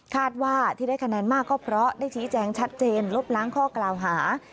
คาดว่าที่ได้คะแนนมากก็เพราะได้ชี้แจงชัดเจนลบล้างข้อกล่าวหา